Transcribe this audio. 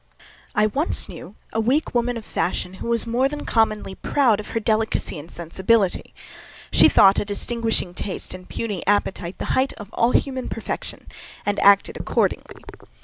I once knew a weak woman of fashion, who was more than commonly proud of her delicacy and sensibility. She thought a distinguishing taste and puny appetite the height of all human perfection, and acted accordingly.